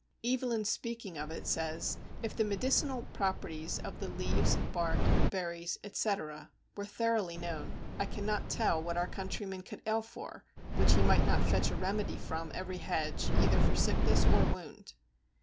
Evelyn speaking of it says: "If the medicinal properties of the leaves, bark, berries, etc., were thoroughly known, I cannot tell what our countrymen could ail for which he might not fetch a remedy from every hedge, either for sickness or wound."